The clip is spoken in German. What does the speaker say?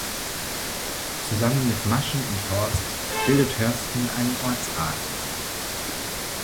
Zusammen mit Maschen und Horst bildet Hörsten einen Ortsrat.